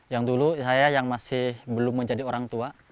yang dulu saya yang masih belum menjadi orang tua